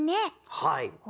はい！